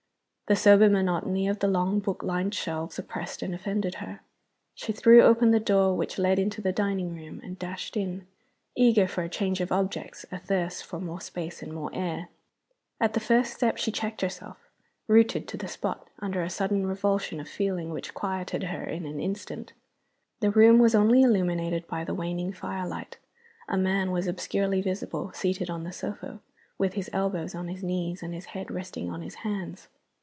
The sober monotony of the long book lined shelves oppressed and offended her. She threw open the door which led into the dining room, and dashed in, eager for a change of objects, athirst for more space and more air. At the first step she checked herself; rooted to the spot, under a sudden revulsion of feeling which quieted her in an instant. The room was only illuminated by the waning fire light. A man was obscurely visible, seated on the sofa, with his elbows on his knees and his head resting on his hands.